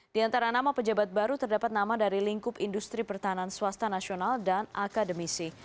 di antara nama pejabat baru terdapat nama dari lingkup industri pertahanan swasta nasional dan akademisi